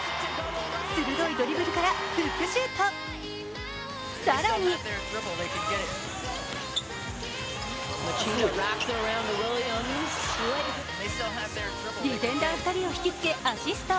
鋭いドリブルからフックシュート、更にディフェンダー２人を引きつけ、アシスト。